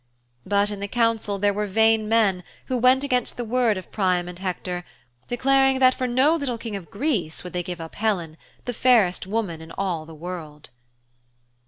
But in the council there were vain men who went against the word of Priam and Hector, declaring that for no little King of Greece would they give up Helen, the fairest woman in all the world.